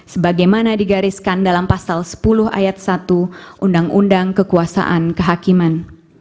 sebagaimana digariskan dalam pasal sepuluh ayat satu undang undang kekuasaan kehakiman